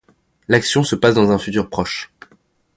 L'action se passe dans un futur proche.